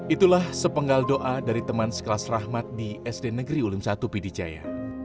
itulah sepenggal doa dari teman sekelas rahmat di sd negeri ulim satu pidijaya